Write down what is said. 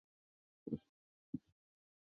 现该城为一个农业中心。